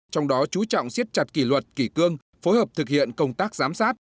trong đó chú trọng siết chặt kỳ luật kỳ cương phối hợp thực hiện công tác giám sát